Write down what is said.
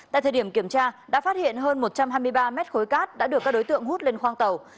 tại thời điểm kiểm tra đã phát hiện hơn một trăm hai mươi ba mét khối cát đã được các đối tượng hút lên khoang tàu